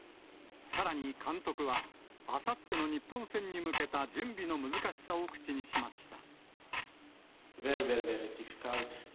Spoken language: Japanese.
さらに監督は、あさっての日本戦に向けた準備の難しさを口にしました。